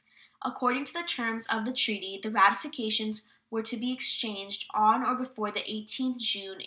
According to the terms of the treaty, the ratifications were to be exchanged on or before the 18th June, 1859.